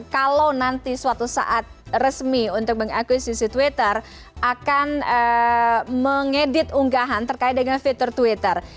kalau nanti suatu saat resmi untuk mengakuisisi twitter akan mengedit unggahan terkait dengan fitur twitter